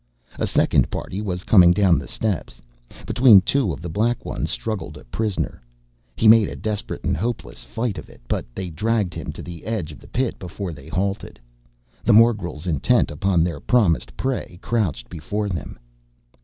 A second party was coming down the steps. Between two of the Black Ones struggled a prisoner. He made a desperate and hopeless fight of it, but they dragged him to the edge of the pit before they halted. The morgels, intent upon their promised prey, crouched before them.